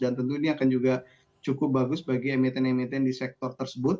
dan tentu ini akan juga cukup bagus bagi emiten emiten di sektor tersebut